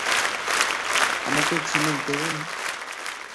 আমাকে ঝিনুক দেবেন।